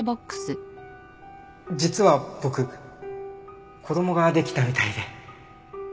実は僕子供ができたみたいで。